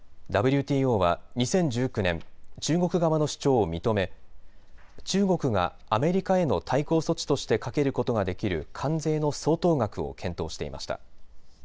ＷＴＯは２０１９年、中国側の主張を認め中国がアメリカへの対抗措置としてかけることができる関税の相当額を検討していました。